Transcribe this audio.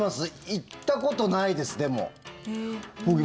行ったことないです、でも。